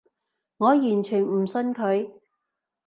我完全唔信佢